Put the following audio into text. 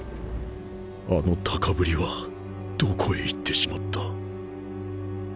あの高ぶりはどこへ行ってしまった